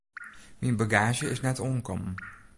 Myn bagaazje is net oankommen.